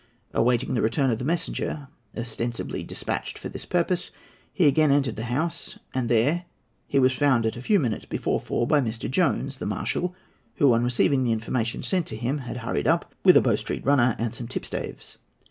Awaiting the return of the messenger, ostensibly despatched for this purpose, he again entered the House, and there he was found, at a few minutes before four, by Mr. Jones, the marshal, who, on receiving the information sent to him, had hurried up, with a Bow Street runner and some tipstaves.